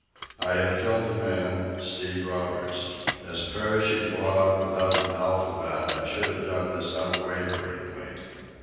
I have killed a man—Steve Roberts. As a perishing blond without an alphabet I should have done this unwaveringly.